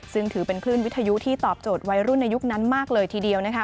ซึ่งถือเป็นคลื่นวิทยุที่ตอบโจทย์วัยรุ่นในยุคนั้นมากเลยทีเดียวนะคะ